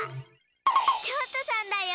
ちょうちょさんだよ！